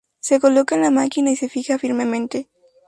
Se coloca en la máquina y se fija firmemente.